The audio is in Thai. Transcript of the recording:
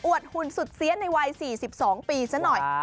อวดหุ่นสุดเสียในวัย๔๒ปีสักหน่อย